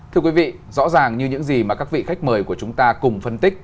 thưa quý vị rõ ràng như những gì mà các vị khách mời của chúng ta cùng phân tích